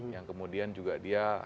yang kemudian juga dia